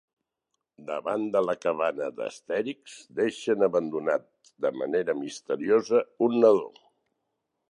Davant de la cabana d'Astèrix deixen abandonat de manera misteriosa un nadó.